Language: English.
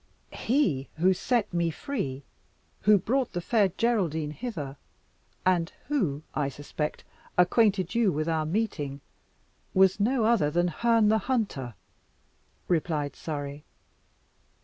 "He who set me free who brought the Fair Geraldine hither and who, I suspect, acquainted you with our meeting, was no other than Herne the Hunter," replied Surrey.